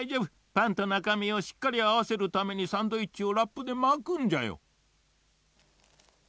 パンとなかみをしっかりあわせるためにサンドイッチをラップでまくんじゃよ。